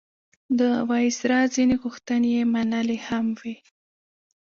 د وایسرا ځینې غوښتنې یې منلي هم وې.